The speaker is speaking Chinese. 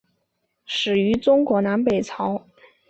始于中国南北朝。